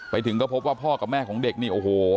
ไปถึงก็พบว่าพ่อกับแม่ของเด็กนี่โอ้โห